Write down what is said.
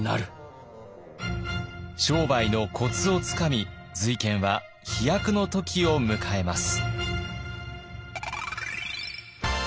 商売のコツをつかみ瑞賢は飛躍の時を迎えます。